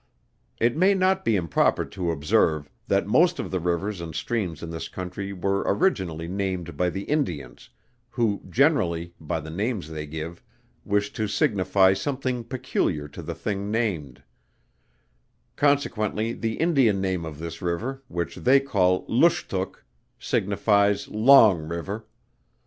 It may not be improper to observe, that most of the rivers and streams in this country were originally named by the Indians, who generally, by the names they give, wish to signify something peculiar to the thing named; consequently the Indian name of this river, which they call "Looshtook," signifies long river.